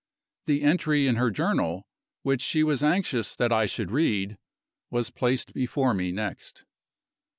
The entry in her Journal, which she was anxious that I should read, was placed before me next.